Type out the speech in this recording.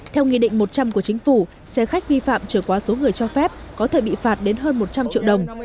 theo nghị định một trăm linh của chính phủ xe khách vi phạm trở quá số người cho phép có thể bị phạt đến hơn một trăm linh triệu đồng